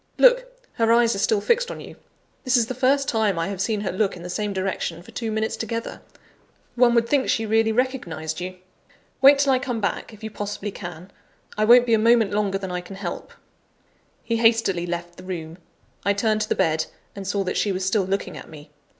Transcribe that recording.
Look! her eyes are still fixed on you. This is the first time I have seen her look in the same direction for two minutes together; one would think she really recognised you. Wait till I come back, if you possibly can I won't be a moment longer than I can help." He hastily left the room. I turned to the bed, and saw that she was still looking at me.